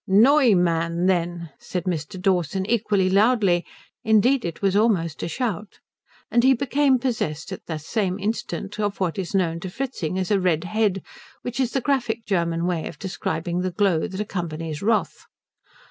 "_Noy_mann, then," said Mr. Dawson, equally loudly; indeed it was almost a shout. And he became possessed at the same instant of what was known to Fritzing as a red head, which is the graphic German way of describing the glow that accompanies wrath.